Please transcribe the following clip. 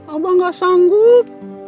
abah gak sanggup